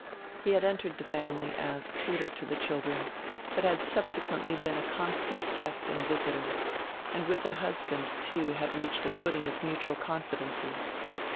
He had entered the family as tutor to the children, but had subsequently been a constant guest and visitor, and with the husband too had reached a footing of mutual confidences.